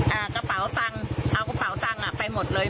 กระเป๋าตังค์เอากระเป๋าตังค์อ่ะไปหมดเลย